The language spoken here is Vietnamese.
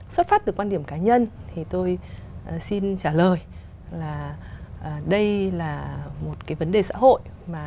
xuất phát từ quan điểm cá nhân thì tôi xin trả lời là đây là một cái vấn đề xã hội